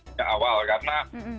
tidak awal karena